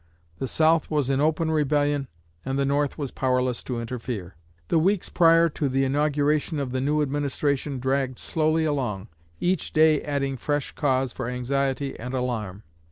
The South was in open rebellion, and the North was powerless to interfere. The weeks prior to the inauguration of the new administration dragged slowly along, each day adding fresh cause for anxiety and alarm.